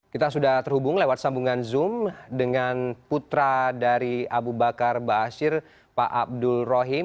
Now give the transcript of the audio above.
kita sudah terhubung lewat sambungan zoom dengan putra dari abu bakar ⁇ baasyir ⁇ pak abdul rohim